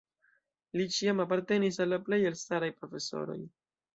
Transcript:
Li ĉiam apartenis al la plej elstaraj profesoroj.